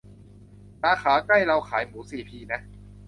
สาขาใกล้เราขายหมูซีพีนะ